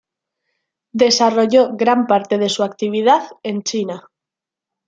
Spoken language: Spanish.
Desarrolló gran parte de su actividad en China.